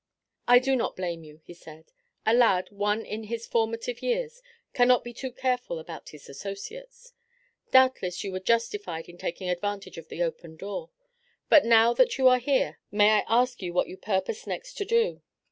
"I do not blame you," he said. "A lad, one in his formative years, cannot be too careful about his associates. Doubtless you were justified in taking advantage of the open door. But now that you are here may I ask you what you purpose next to do?"